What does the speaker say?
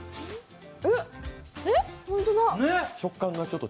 えっ？